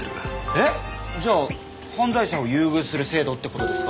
えっ？じゃあ犯罪者を優遇する制度って事ですか？